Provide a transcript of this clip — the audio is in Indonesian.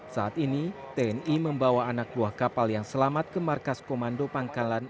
saat ini tni membawa anak buah kapal yang selamat ke markas komando pangkalan